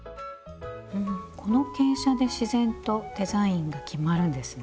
この傾斜で自然とデザインが決まるんですね。